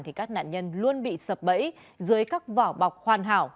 thì các nạn nhân luôn bị sập bẫy dưới các vỏ bọc hoàn hảo